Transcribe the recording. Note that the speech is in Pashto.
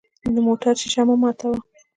د موټر شیشه مه ماتوه.